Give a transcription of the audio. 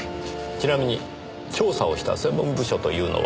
ちなみに調査をした専門部署というのは？